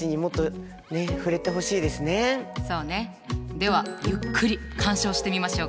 ではゆっくり鑑賞してみましょうか。